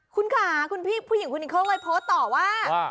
คุณค่ะคุณพี่ผู้หญิงคนนี้เขาเลยโพสต์ต่อว่า